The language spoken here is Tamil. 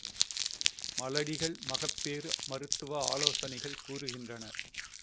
மலடிகள் மகப் பேறு மருத்துவ ஆலோசனைகள் கூறுகின்றனர்.